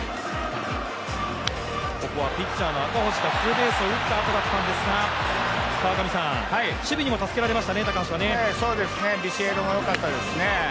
ここはピッチャーの赤星がツーベースを打ったあとだったんですが守備にも助けられましたね、高橋はビシエドも良かったですしね